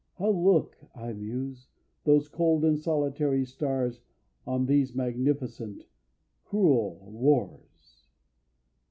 How look (I muse) those cold and solitary stars On these magnificent, cruel wars?